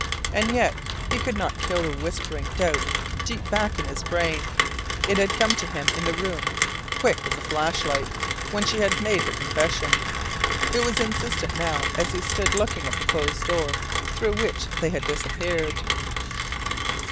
And yet he could not kill the whispering doubt deep back in his brain. It had come to him in the room, quick as a flashlight, when she had made her confession; it was insistent now as he stood looking at the closed door through which they had disappeared.